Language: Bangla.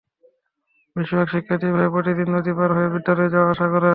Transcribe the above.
বেশির ভাগ শিক্ষার্থী এভাবে প্রতিদিন নদী পার হয়ে বিদ্যালয়ে যাওয়া-আসা করে।